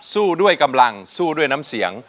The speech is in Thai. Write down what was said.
สู้ด้วยกำลังสู้ด้วยน้ำเสียง